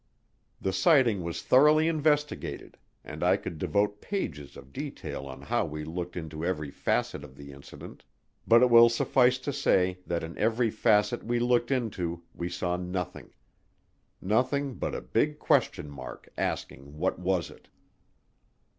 The sighting was thoroughly investigated, and I could devote pages of detail on how we looked into every facet of the incident; but it will suffice to say that in every facet we looked into we saw nothing. Nothing but a big question mark asking what was it.